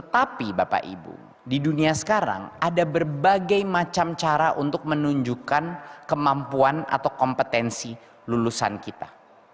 tapi bapak ibu di dunia sekarang ada berbagai macam cara untuk menunjukkan kemampuan atau kompetensi lulusan kita